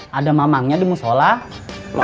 hai ada mamangnya demu sholah lama